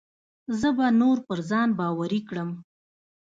زه به نور پر ځان باوري کړم.